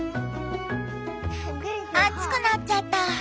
熱くなっちゃった。